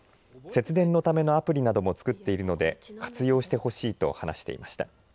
節電のためのアプリなども作っているので活用してほしいと話していました。